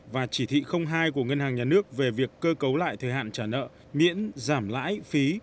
và chỉ thị hai của ngân hàng nhà nước về việc cơ cấu lại thời hạn trả nợ miễn giảm lãi phí